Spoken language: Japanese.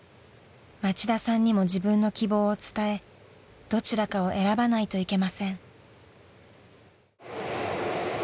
［町田さんにも自分の希望を伝えどちらかを選ばないといけません］